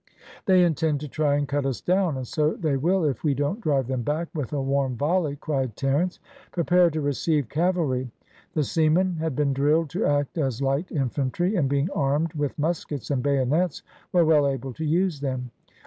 "They intend to try and cut us down, and so they will if we don't drive them back with a warm volley," cried Terence. "Prepare to receive cavalry!" The seamen had been drilled to act as light infantry, and being armed with muskets and bayonets were well able to use them.